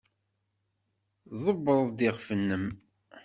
Tḍebbreḍ iɣef-nnem.